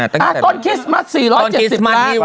ต้นคริสต์มัส๔๗๐ล้านโอ้โหเหลือค่าที่สุด